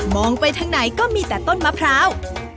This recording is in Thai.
ไปทางไหนก็มีแต่ต้นมะพร้าว